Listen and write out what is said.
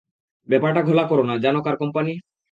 ব্যাপারটা ঘোলা করো না, জানো কার কোম্পানি?